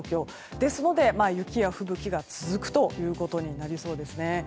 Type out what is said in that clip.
ですので、雪や吹雪が続くということになりそうです。